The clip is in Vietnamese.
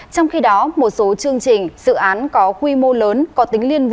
trong khi đó một số chương trình dự án có quy mô lớn